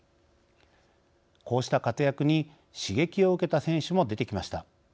こうした活躍に刺激を受けた選手も出てきました。